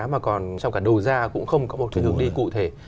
mà còn trong cả đồ ra cũng không có một cái hướng đi cụ thể